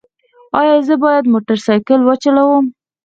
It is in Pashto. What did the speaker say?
ایا زه باید موټر سایکل وچلوم؟